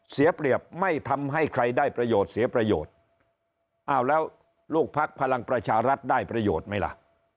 เสียเปรียบไม่ทำให้ใครได้ประโยชน์เสียประโยชน์อ้าวแล้วลูกภักดิ์พลังประชารัฐได้ประโยชน์ไหมล่ะ